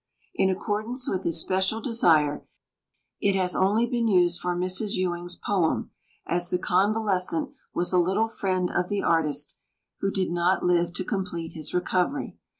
In accordance with his special desire, it has only been used for Mrs. Ewing's poem, as the Convalescent was a little friend of the artist, who did not live to complete his recovery.